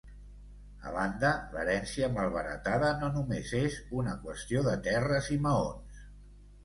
A banda, l'herència malbaratada no només és una qüestió de terres i maons.